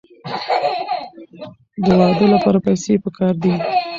د واده لپاره پیسې پکار دي.